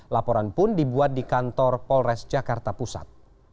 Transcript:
laporan pun dibuat di kantor polres jakarta pusat